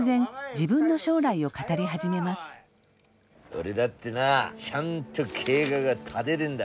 俺だってなちゃんと計画は立ででんだ。